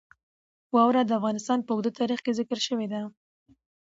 واوره د افغانستان په اوږده تاریخ کې ذکر شوی دی.